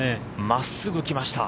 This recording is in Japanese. まっすぐ来ました。